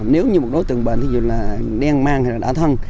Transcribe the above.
nếu như một đối tượng bệnh ví dụ là đen mang hay là đỏ thân